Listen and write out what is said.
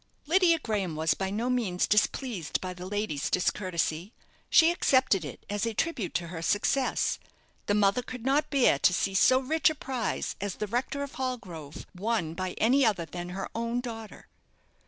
Lydia Graham was by no means displeased by the lady's discourtesy. She accepted it as a tribute to her success. The mother could not bear to see so rich a prize as the rector of Hallgrove won by any other than her own daughter.